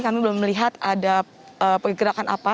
kami belum melihat ada pergerakan apa